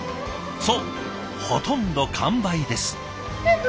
そうほとんど完売です。